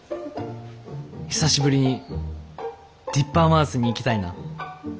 久しぶりにディッパーマウスに行きたいな」。